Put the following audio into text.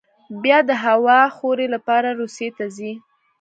بیا د هوا خورۍ لپاره روسیې ته ځي.